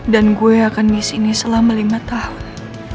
dan gue akan disini selama lima tahun